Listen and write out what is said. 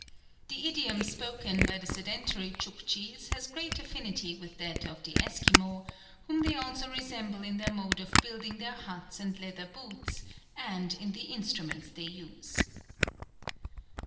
The idiom spoken by the sedentary Tchouktchis has great affinity with that of the Esquimaux, whom they also resemble in their mode of building their huts and leather boats, and in the instruments they use.